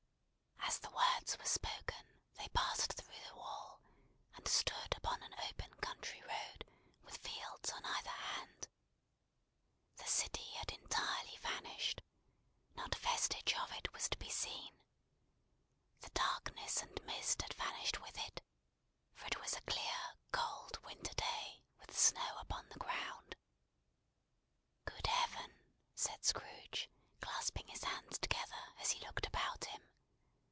As the words were spoken, they passed through the wall, and stood upon an open country road, with fields on either hand. The city had entirely vanished. Not a vestige of it was to be seen. The darkness and the mist had vanished with it, for it was a clear, cold, winter day, with snow upon the ground. "Good Heaven!" said Scrooge, clasping his hands together, as he looked about him.